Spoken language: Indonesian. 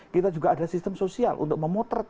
kita juga ada sistem sosial untuk memotret